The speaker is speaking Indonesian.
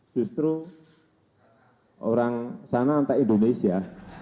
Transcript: justru orang sana entah indonesia